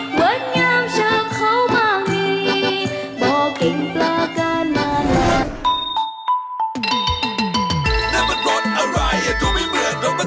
วัดงามช่างเขามากดีบอกกินปลากาลมานาน